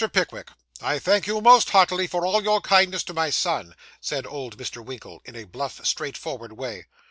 Pickwick, I thank you most heartily for all your kindness to my son,' said old Mr. Winkle, in a bluff, straightforward way.